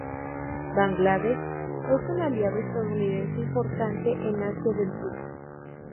Bangladesh es un aliado estadounidense importante en Asia del Sur.